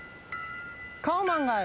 カオマンガイ。